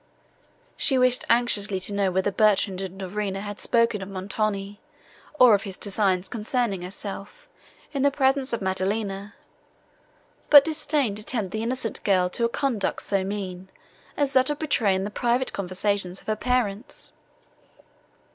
She wished anxiously to know, whether Bertrand and Dorina had spoken of Montoni, or of his designs, concerning herself, in the presence of Maddelina, but disdained to tempt the innocent girl to a conduct so mean, as that of betraying the private conversations of her parents.